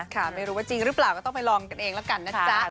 ไม่รู้ว่าจริงหรือเปล่าก็ต้องไปลองกันเองแล้วกันนะจ๊ะ